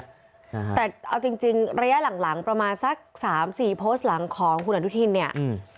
แต่เอาจริงระยะหลังประมาณสัก๓๔โพสต์หลังของคุณอนุทินเนี่ย